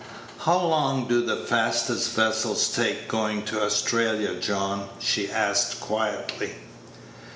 "How long do the fastest vessels take going to Australia, John?" she asked, quietly.